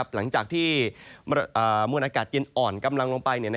หลังจากที่มวลอากาศเย็นอ่อนกำลังลงไป